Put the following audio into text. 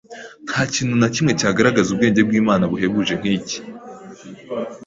Nta kintu na kimwe cyagaragaza ubwenge bw’Imana buhebuje nk’iki